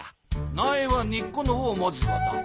苗は根っこのほうを持つこと。